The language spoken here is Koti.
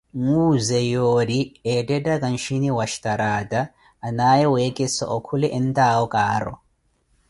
Nwuuze yoori yeettettaka nxini mwa xtaraata anaaye weekhesa okhule entawo kaaru.